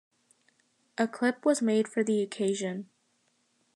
A clip was made for the occasion.